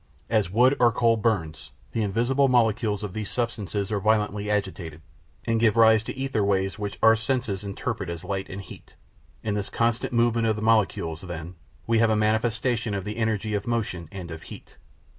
As wood or coal burns, the invisible molecules of these substances are violently agitated, and give rise to ether waves which our senses interpret as light and heat. In this constant movement of the molecules, then, we have a manifestation of the energy of motion and of heat.